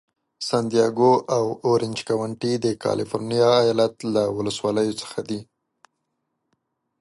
سن دیاګو او اورینج کونټي د کالفرنیا ایالت له ولسوالیو څخه دي.